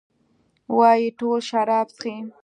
وايي ټول شراب چښي؟